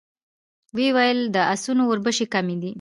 ويې ويل: د آسونو وربشې کمې دي.